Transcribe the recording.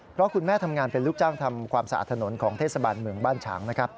เพราะคุณแม่ทำงานเป็นลูกจ้างทำความสะอาดถนนของเทศบาลเมืองบ้านฉางนะครับ